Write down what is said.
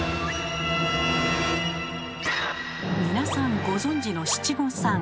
皆さんご存じの七五三。